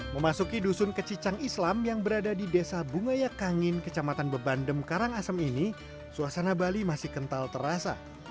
memasuki dusun kecicang islam yang berada di desa bungaya kangin kecamatan bebandem karangasem ini suasana bali masih kental terasa